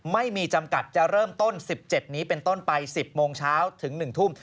ไม่มีจำกัดจะเริ่มต้น๑๗นี้เป็นต้นไป๑๐โมงเช้าถึง๑ทุ่ม